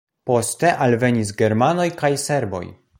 Poste alvenis germanoj kaj serboj.